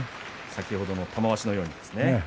先ほどの玉鷲のようにですね。